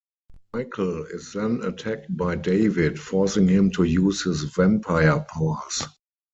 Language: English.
Michael is then attacked by David, forcing him to use his vampire powers.